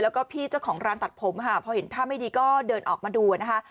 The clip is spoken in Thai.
แล้วก็พี่เจ้าของร้านตัดผมค่ะพอเห็นท่าไม่ดีก็เดินออกมาดูนะคะ